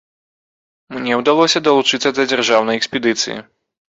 Мне ўдалося далучыцца да дзяржаўнай экспедыцыі.